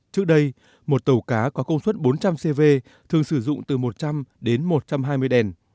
trước đây một tàu cá có công suất bốn trăm linh cv thường sử dụng từ một trăm linh đến một trăm hai mươi đèn